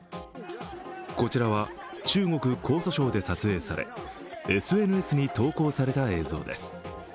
こちらは中国・江蘇省で撮影され、ＳＮＳに投稿された映像です。